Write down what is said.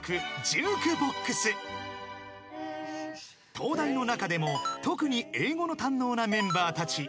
［東大の中でも特に英語の堪能なメンバーたち］